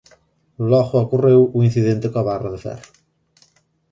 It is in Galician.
Logo ocorreu o incidente coa barra de ferro.